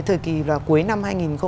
thời kỳ cuối năm hai nghìn hai mươi ba